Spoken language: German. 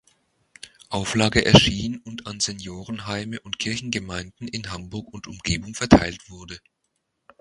Auflage erschien und an Seniorenheime und Kirchengemeinden in Hamburg und Umgebung verteilt wurde.